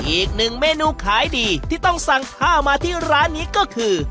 อีกหนึ่งเมนูขายดีที่ต้องสั่งข้าวมาที่ร้านนี้ก็คือ